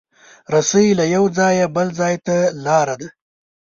رسۍ له یو ځایه بل ځای ته لاره ده.